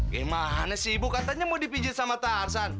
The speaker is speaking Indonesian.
gimana sih bu katanya mau dipijit sama tarzan